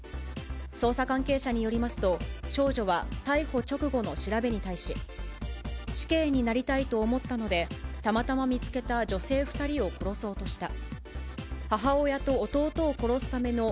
捜査関係者によりますと、少女は逮捕直後の調べに対し、死刑になりたいと思ったので、たまたま見つけた女性２人を殺そうとした。